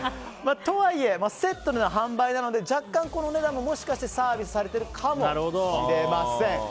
とはいえ、セットの販売なので若干、お値段ももしかしてサービスされているかもしれません。